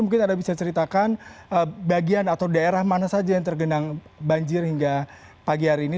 mungkin anda bisa ceritakan bagian atau daerah mana saja yang tergenang banjir hingga pagi hari ini